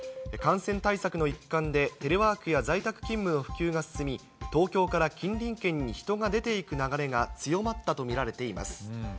感染対策の一環でテレワークや在宅勤務の普及が進み、東京から近隣県に人が出ていく流れが強まったと見られています。